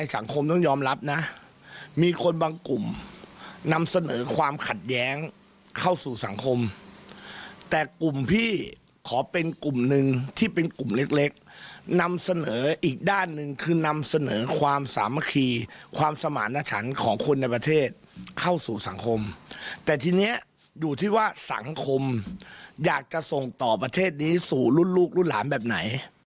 หลังคมอยากจะส่งต่อประเทศนี้สู่รุ่นลูกรุ่นหลานแบบไหน